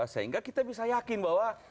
sehingga kita bisa yakin bahwa